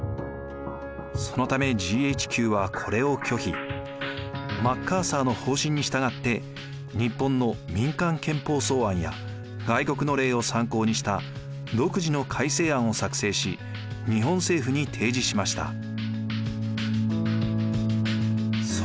そのためマッカーサーの方針に従って日本の民間憲法草案や外国の例を参考にした独自の改正案を作成し日本政府に提示しました。